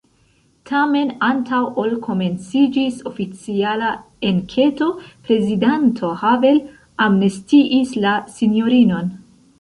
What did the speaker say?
Tamen, antaŭ ol komenciĝis oficiala enketo, prezidanto Havel amnestiis la sinjorinon.